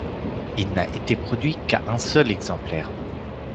Il n'a été produit qu'à un seul exemplaire.